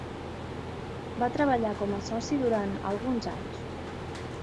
Va treballar com a soci durant "alguns anys".